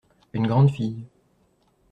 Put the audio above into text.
Une grande fille.